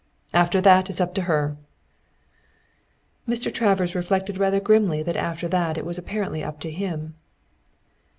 "After that it's up to her." Mr. Travers reflected rather grimly that after that it was apparently up to him.